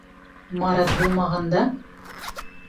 Марат булмағанда.